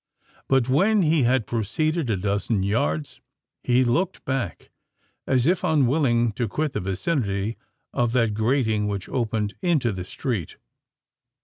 But when he had proceeded a dozen yards, he looked back—as if unwilling to quit the vicinity of that grating which opened into the street.